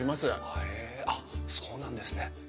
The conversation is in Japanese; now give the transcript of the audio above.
へえあっそうなんですね。